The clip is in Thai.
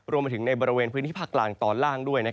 รวมไปถึงในบริเวณพื้นที่ภาคกลางตอนล่างด้วย